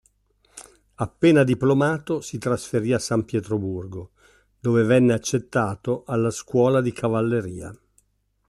Appena diplomato si trasferì a San Pietroburgo, dove venne accettato alla Scuola di Cavalleria.